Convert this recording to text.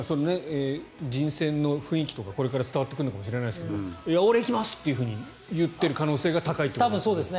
人選の雰囲気とかこれから伝わってくるのかもしれませんが俺行きます！って言っている可能性が高いということですよね。